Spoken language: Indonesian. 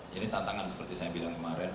dan ini tantangan seperti saya bilang kemarin